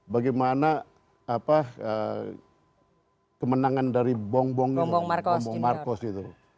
bagaimana kemenangan dari bong bongbong marcos itu